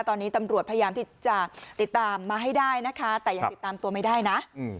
ตอนนี้ตำรวจพยายามที่จะติดตามมาให้ได้นะคะแต่ยังติดตามตัวไม่ได้นะ